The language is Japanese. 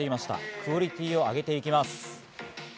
クオリティーを上げていきます。